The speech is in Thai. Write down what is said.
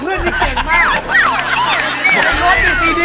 เอ้าเอาดี